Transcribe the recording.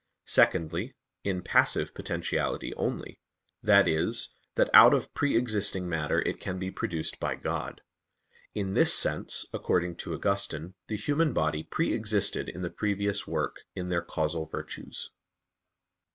Secondly, in passive potentiality only; that is, that out of pre existing matter it can be produced by God. In this sense, according to Augustine, the human body pre existed in the previous work in their causal virtues.